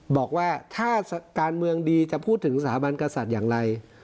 บอกว่าถ้าการเมืองดีจะพูดถึงสถาบันกษัตริย์อย่างไร